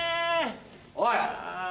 おい！